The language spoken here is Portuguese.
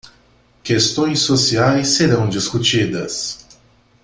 Questões sociais serão discutidas.